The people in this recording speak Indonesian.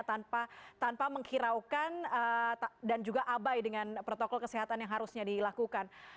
tanpa menghiraukan dan juga abai dengan protokol kesehatan yang harusnya dilakukan